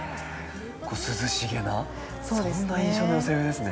涼しげなそんな印象の寄せ植えですね。